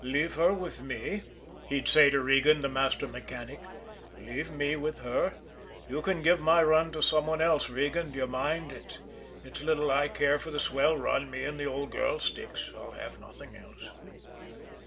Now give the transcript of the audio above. "Leave her with me," he'd say to Regan, the master mechanic. "Leave me with her. You can give my run to some one else, Regan, d'ye mind? It's little I care for the swell run; me and the old girl sticks. I'll have nothing else."